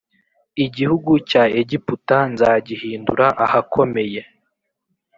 Igihugu cya Egiputa nzagihindura ahakomeye